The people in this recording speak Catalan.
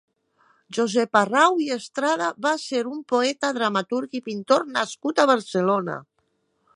Josep Arrau i Estrada va ser un poeta, dramaturg i pintor nascut a Barcelona.